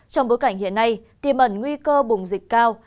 trong bối cảnh hiện nay tiềm ẩn nguy cơ bùng dịch cao